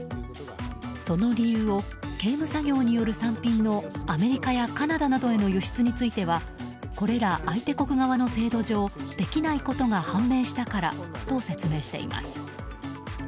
その理由を刑務作業による産品のアメリカやカナダなどへの輸出についてはこれら相手国側の制度上できないことが判明したからと説明しています。